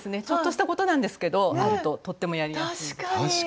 ちょっとしたことなんですけどあるととってもやりやすい。